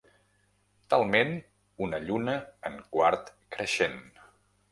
Talment una lluna en quart creixent.